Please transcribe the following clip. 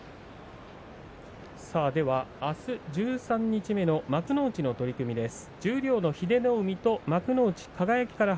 あす十三日目の幕内での取組です。